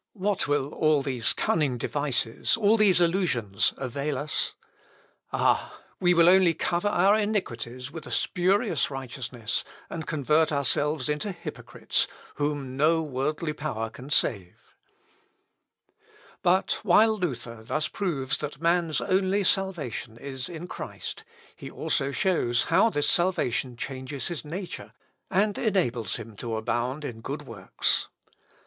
What will all these cunning devices, all these illusions, avail us? Ah! we will only cover our iniquities with a spurious righteousness and convert ourselves into hypocrites, whom no worldly power can save." 3rd September, 1519. L. Op. (L.) x, 461. But while Luther thus proves that man's only salvation is in Christ, he also shows how this salvation changes his nature, and enables him to abound in good works.